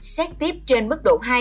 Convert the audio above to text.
xét tiếp trên mức độ hai